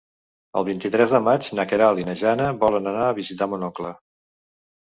El vint-i-tres de maig na Queralt i na Jana volen anar a visitar mon oncle.